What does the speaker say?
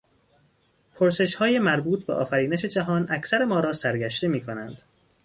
پرسشهای مربوط به آفرینش جهان اکثر ما را سرگشته میکنند.